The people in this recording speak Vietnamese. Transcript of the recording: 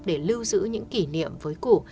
để lưu giữ những kỷ niệm với cụ